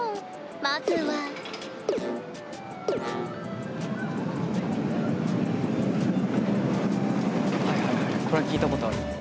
まずははいはいはいこれは聞いたことある。